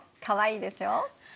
かわいいでしょ。